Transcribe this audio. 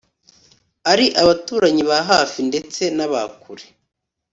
ari abaturanyi ba hafi ndetse n’aba kure